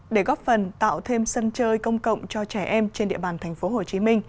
để góp phần tạo thêm sân chơi công cộng cho trẻ em trên địa bàn tp hcm